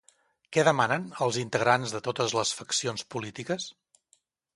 Què demanen als integrants de totes les faccions polítiques?